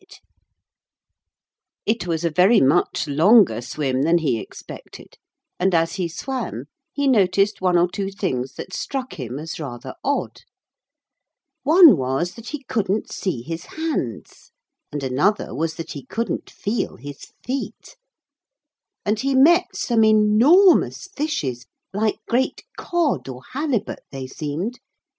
[Illustration: There was a splash.] It was a very much longer swim than he expected, and as he swam he noticed one or two things that struck him as rather odd. One was that he couldn't see his hands. And another was that he couldn't feel his feet. And he met some enormous fishes, like great cod or halibut, they seemed.